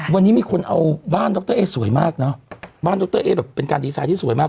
วันนี้มีคนเอาบ้านดรเอ๊สวยมากเนอะบ้านดรเอ๊แบบเป็นการดีไซน์ที่สวยมาก